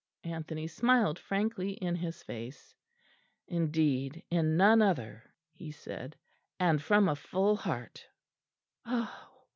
Anthony smiled frankly in his face. "Indeed, in none other," he said, "and from a full heart."